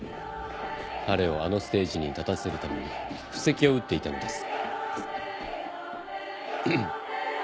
彼をあのステージに立たせるために布石を打っていたのです。